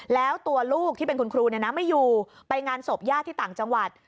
แล้วตัวลูกที่เป็นคุณครูไม่อยู่ไปงานศพญาติที่ต่างจังหวัด